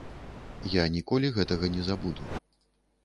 Я ніколі гэтага не забуду.